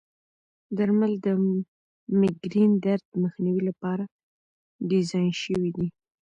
درمل د مېګرین درد مخنیوي لپاره ډیزاین شوي دي.